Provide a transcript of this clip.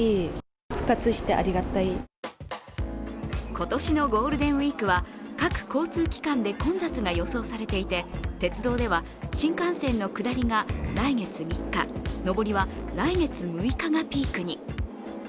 今年のゴールデンウイークは各交通機関で混雑が予想されていて鉄道では新幹線の下りが来月３日、上りは来月６日がピークに。